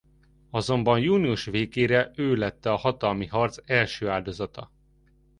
Azonban június végére ő lett a hatalmi harc első áldozata.